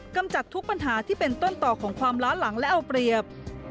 กำจัดทุกปัญหาที่เป็นต้นต่อของความล้าหลังและเอาเปรียบ